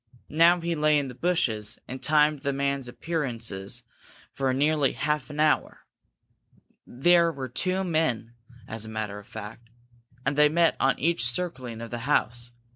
Now he lay in the bushes and timed the man's appearances for nearly half an hour. There were two men, as a matter of fact, and they met on each circling of the house.